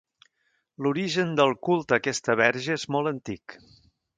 L'origen del culte a aquesta Verge és molt antic.